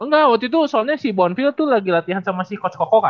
enggak waktu itu soalnya si bondfill tuh lagi latihan sama si coach koko kan